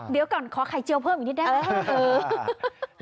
เดี๋ยวก่อนขอไข่เจียวเพิ่มอีกนิดได้ไหม